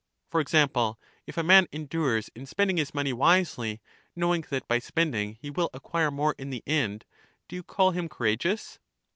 For example, if a man endures in spending his money wisely, knowing that by spending he will acquire more in the end, do you call him courageous?